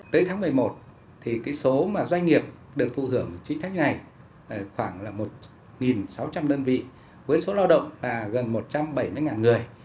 doanh nghiệp được thu hưởng chỉ thách ngày khoảng một sáu trăm linh đơn vị với số lao động gần một trăm bảy mươi người